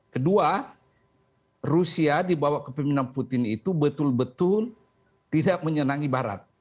kedua rusia dibawa ke pemimpinan putin itu betul betul tidak menyenangi barat